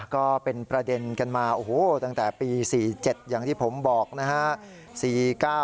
ก็เป็นประเด็นกันมาโอ้โหตั้งแต่ปี๔๗อย่างที่ผมบอกนะฮะ